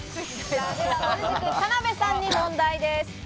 田辺さんに問題です。